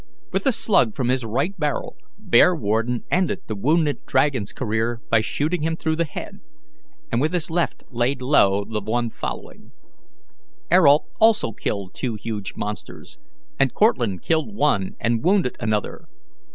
With the slug from his right barrel Bearwarden ended the wounded dragon's career by shooting him through the head, and with his left laid low the one following. Ayrault also killed two huge monsters, and Cortlandt killed one and wounded another.